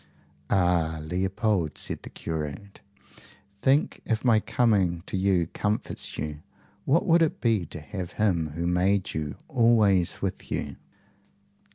"Ah, Leopold!" said the curate, "think, if my coming to you comforts you, what would it be to have him who made you always with you!"